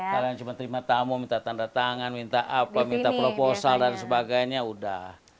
kalian cuma terima tamu minta tanda tangan minta apa minta proposal dan sebagainya udah